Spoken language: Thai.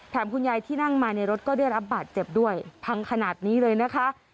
คุณยายที่นั่งมาในรถก็ได้รับบาดเจ็บด้วยพังขนาดนี้เลยนะคะ